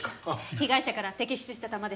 被害者から摘出した弾です。